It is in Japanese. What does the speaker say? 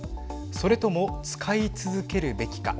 それとも使い続けるべきか。